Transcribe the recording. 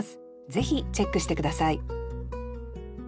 ぜひチェックして下さい